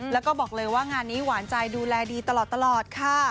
แล้วก็บอกเลยว่างานนี้หวานใจดูแลดีตลอดค่ะ